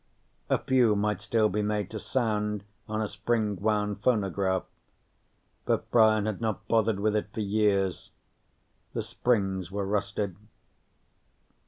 A few might still be made to sound on a spring wound phonograph, but Brian had not bothered with it for years; the springs were rusted.